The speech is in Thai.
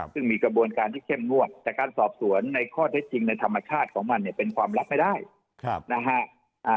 ซึ่งมีกระบวนการที่เข้มงวดแต่การสอบสวนในข้อเท็จจริงในธรรมชาติของมันเนี่ยเป็นความลับไม่ได้นะฮะ